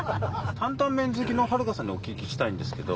「担々麺」好きの春花さんにお聞きしたいんですけど。